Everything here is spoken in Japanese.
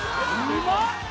うまっ！